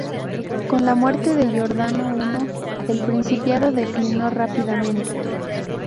Con la muerte de Jordano I, el principado declinó rápidamente.